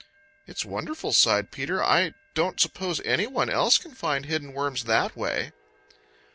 "It's wonderful," sighed Peter. "I don't suppose any one else can find hidden worms that way."